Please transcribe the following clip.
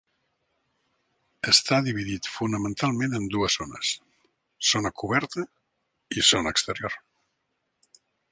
Està dividit, fonamentalment en dues zones, Zona Coberta i Zona Exterior.